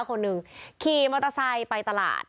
คนหนึ่งขี่มอเตอร์ไซค์ไปตลาด